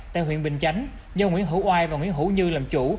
tại huyện bình chánh do nguyễn hữu oai và nguyễn hữu như làm chủ